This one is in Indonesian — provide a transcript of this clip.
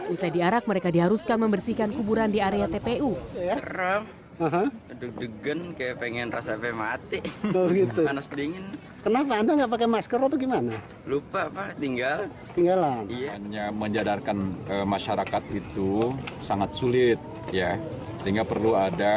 usai diarak mereka diharuskan membersihkan kuburan di area tpu